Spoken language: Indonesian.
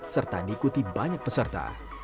serta diikuti banyak peserta